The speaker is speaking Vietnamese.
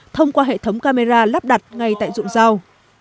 thông qua hệ thống camera lắp đặt ngay tại ruộng rau